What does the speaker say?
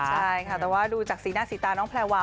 ใช่ค่ะแต่ว่าดูจากสีหน้าสีตาน้องแพลวา